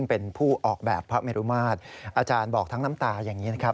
เป็นผู้ออกแบบพระเมรุมาตรอาจารย์บอกทั้งน้ำตาอย่างนี้นะครับ